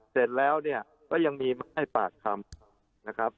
เสร็จแล้วยังมีปากคลัม